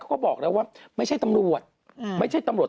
เขาก็บอกแล้วว่าไม่ใช่ตำรวจ